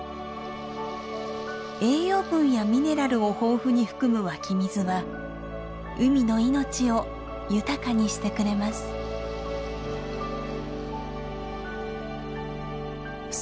栄養分やミネラルを豊富に含む湧き水は海の命を豊かにしてくれます。